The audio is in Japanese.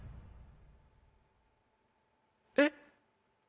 えっ？